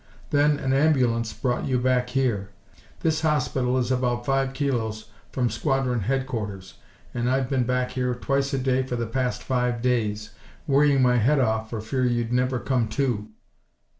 Then an ambulance brought you back here. This hospital is about five kilos from squadron headquarters, and I've been back here twice a day for the past five days, worrying my head off for fear you'd never come to."